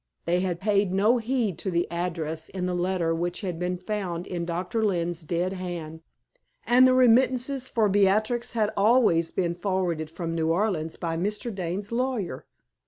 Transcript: They had paid no heed to the address in the letter which had been found in Doctor Lynne's dead hand; and the remittances for Beatrix had always been forwarded from New Orleans by Mr. Dane's lawyer.